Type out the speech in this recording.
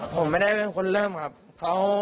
ผมไม่ได้เป็นคนเริ่มครับ